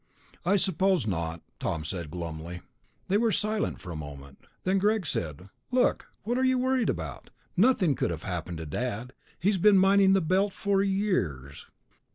"I suppose not," Tom said glumly. They were silent for a moment. Then Greg said, "Look, what are you worried about? Nothing could have happened to Dad. He's been mining the Belt for years."